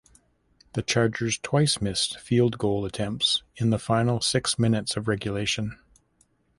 The Chargers twice missed field goal attempts in the final six minutes of regulation.